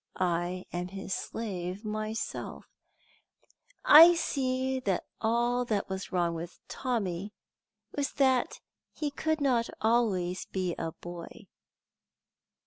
I am his slave myself; I see that all that was wrong with Tommy was that he could not always be a boy.